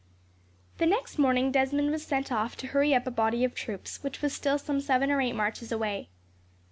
The next morning, Desmond was sent off to hurry up a body of troops which was still some seven or eight marches away.